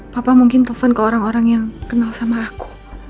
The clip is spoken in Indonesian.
papa mungkin telepon ke orang orang yang kenal sama aku